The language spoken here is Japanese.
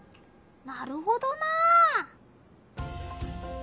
なるほどなあ。